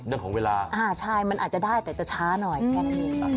เรื่องของเวลาอ่าใช่มันอาจจะได้แต่จะช้าหน่อยแค่นั้นเอง